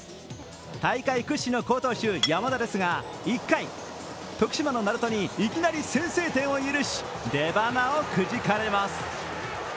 大会屈指の好投手・山田ですが１回、徳島の鳴門にいきなり先制点を許し出ばなをくじかれます。